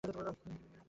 ওকে, ঠিকাছে।